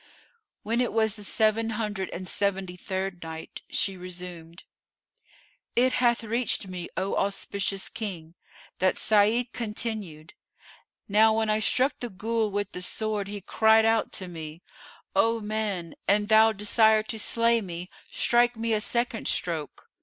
When it was the Seven Hundred and Seventy third Night, She resumed, It hath reached me, O auspicious King, that Sa'id continued, "Now when I struck the Ghul with the sword he cried out to me, 'O man, an thou desire to slay me, strike me a second stroke!"